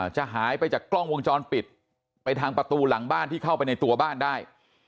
จะหายไปจากกล้องวงจรปิดไปทางประตูหลังบ้านที่เข้าไปในตัวบ้านได้